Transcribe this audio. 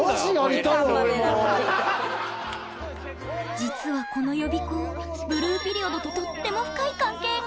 実はこの予備校「ブルーピリオド」ととっても深い関係が。